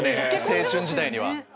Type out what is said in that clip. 青春時代には。